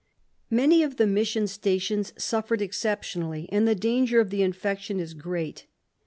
Many of the mission stations suffered exceptionally, and the danger of the infection is great.